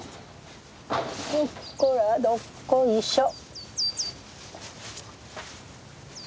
よっこらどっこいしょ。